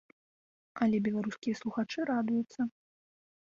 Але беларускія слухачы радуюцца.